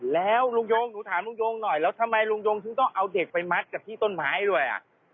แล้วลุงยงหนูถามลุงยงหน่อยแล้วทำไมลุงยงถึงต้องเอาเด็กไปมัดกับที่ต้นไม้ด้วย